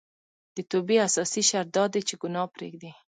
د توبې اساسي شرط دا دی چې ګناه پريږدي